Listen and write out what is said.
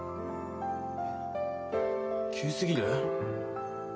え急すぎる？